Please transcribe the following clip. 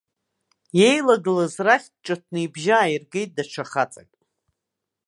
Еилагылаз рахьтә ҿыҭны ибжьы ааиргеит даҽа хаҵак.